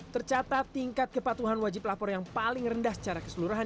tercatat tingkat kepatuhan wajib lapor yang paling rendah secara keseluruhan